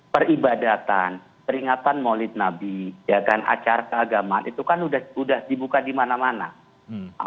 peribadatan peringatan maulid nabi acar keagamaan itu kan sudah dibuka di mana mana